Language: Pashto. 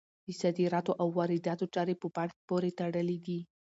د صادراتو او وارداتو چارې په بانک پورې تړلي دي.